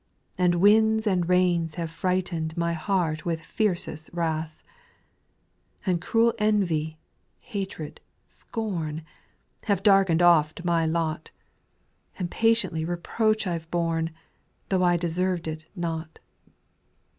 And winds and rains have frighten'd My heart with fiercest wrath ; And cruel envy, hatred, scorn, Have darkened oft my lot ; And patiently reproach I 've borne. Though I deserved it not.